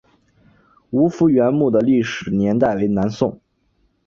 吴福源墓的历史年代为南宋。